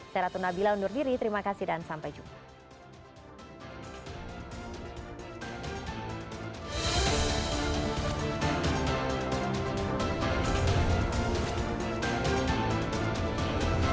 saya ratunabila undur diri terima kasih dan sampai jumpa